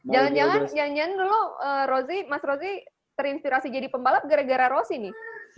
jangan jangan jangan dulu mas rozi terinspirasi jadi pembalap gara gara rozy nih